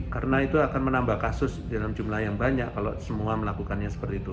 karena itu akan menambah kasus dalam jumlah yang banyak kalau semua melakukannya seperti itu